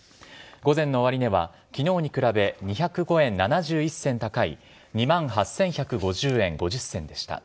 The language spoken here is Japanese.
午前の終値は、きのうに比べ２０５円７１銭高い２万８１５０円５０銭でした。